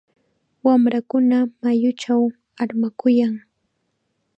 Wamrakuna mayuchaw armakuyan.